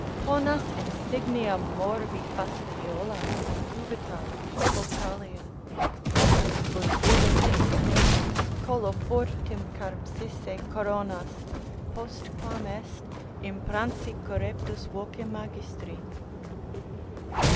ponas insignia morbi Fasciolas, cubital, focalia; potus ut ille Dicitur ex collo furtim carpsisse coronas, Postquam est impransi correptus voce magistri?"